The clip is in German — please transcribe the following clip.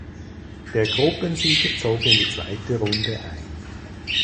Der Gruppensieger zog in die zweite Runde ein.